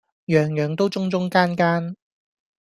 樣樣都中中間間